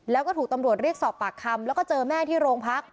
แล้วก็ถูกตำรวจเรียกสอบปากคำแล้วก็เจอแม่ที่โรงพัก